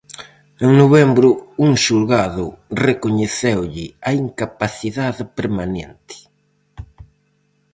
En novembro un xulgado recoñeceulle a incapacidade permanente.